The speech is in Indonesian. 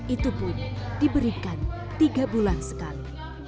itu pun diberikan tiga bulan sekali